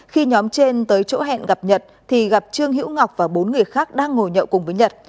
khi nhóm trên tới chỗ hẹn gặp nhật thì gặp trương hữu ngọc và bốn người khác đang ngồi nhậu cùng với nhật